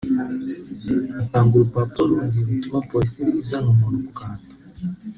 hatangwa urupapuro rundi rutuma Polisi izana umuntu ku gahato